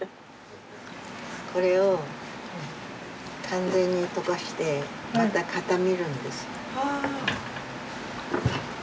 これを完全に溶かしてまた固めるんです。